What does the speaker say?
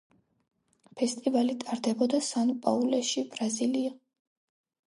ფესტივალი ტარდებოდა სან-პაულუში, ბრაზილია.